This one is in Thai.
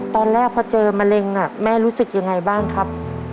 ตอนแรกพอเจอมะเร็งแม่รู้สึกยังไงบ้างครับ